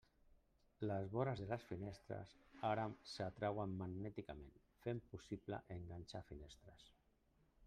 Les vores de les finestres ara s'atrauen magnèticament, fent possible “enganxar” finestres.